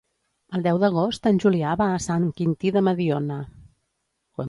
El deu d'agost en Julià va a Sant Quintí de Mediona.